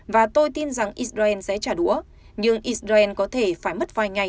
và tôi tin rằng israel sẽ trả đũa nhưng israel có thể phải mất vài ngày